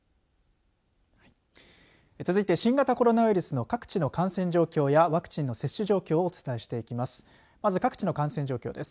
続いて新型コロナウイルスの各地の感染状況やワクチンの接種状況をお伝えしていきます。